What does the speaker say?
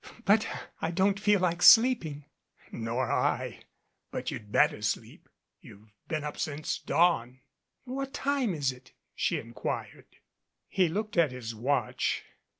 But I don't feel like sleeping." "Nor I but you'd better sleep, you've been up since dawn." "What time is it?" she inquired. He looked at his watch.